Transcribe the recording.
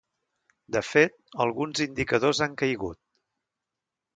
De fet, alguns indicadors han caigut.